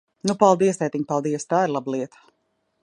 Nu, paldies, tētiņ, paldies! Tā ir laba lieta!